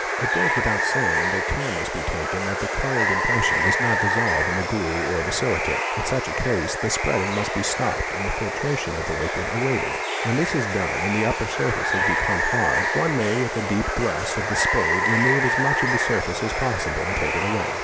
It goes without saying that care must be taken that the coloured impression does not dissolve in the glue or the — silicate. In such a case the spreading must be stopped and the filtration of — the liquid awaited.. When this is done and the upper surface has become — hard, one may with a deep thrust of the spade remove as much of the surface as possible and take it away.